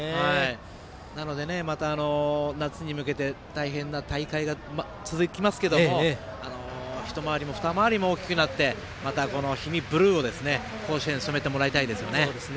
なので、夏に向けて大変な大会が続きますけどもひと回りもふた回りも大きくなってまたこの氷見ブルーを甲子園染めてもらいたいですね。